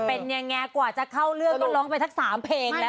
เป็นยังไงกว่าจะเข้าเรื่องก็ร้องไปทั้ง๓เพลงแล้ว